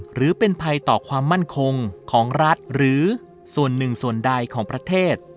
หรือเป็นภัยต่อความมั่นคงของรัฐหรือส่วนหนึ่งส่วนใดของประเทศ